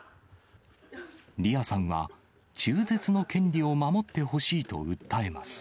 リアさんは、中絶の権利を守ってほしいと訴えます。